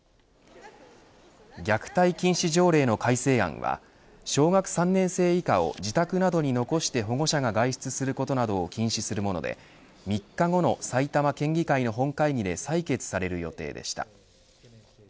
虐待禁止条例の改正案は小学３年生以下を自宅などに残して保護者が外出することなどを禁止するもので３日後の埼玉県議会の本会議で採決される予定でした。